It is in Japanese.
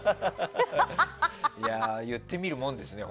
言ってみるもんですね。